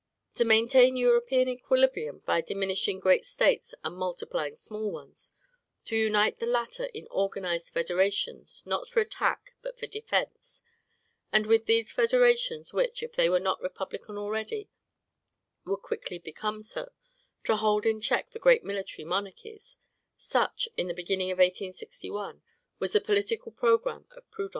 To maintain European equilibrium by diminishing great States and multiplying small ones; to unite the latter in organized federations, not for attack, but for defence; and with these federations, which, if they were not republican already, would quickly become so, to hold in check the great military monarchies, such, in the beginning of 1861, was the political programme of Proudhon.